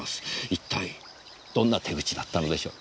一体どんな手口だったのでしょう？